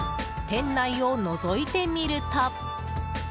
店内をのぞいてみると。